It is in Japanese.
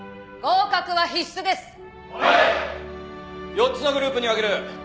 ４つのグループに分ける。